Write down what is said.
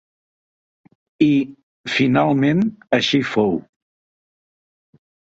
I, finalment, així fou.